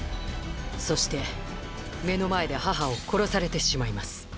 そして目の前で母を殺されてしまいます